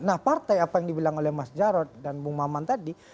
nah partai apa yang dibilang oleh mas jarod dan bung maman tadi